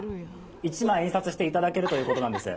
１枚印刷していただけるということなんです。